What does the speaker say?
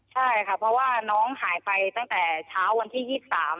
ใช่ค่ะเพราะว่าน้องหายไปตั้งแต่เช้าวันที่๒๓